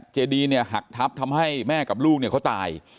เจดีเนี่ยหักทับทำให้แม่กับลูกเนี่ยเขาตาย